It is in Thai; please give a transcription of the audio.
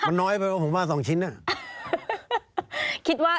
มันน้อยไปว่าผมว่า๒ชิ้น